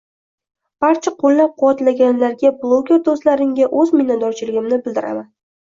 Barcha qoʻllab quvvatlaganlarga, bloger doʻstlarimga oʻz minnatdorchiligimni bildiraman.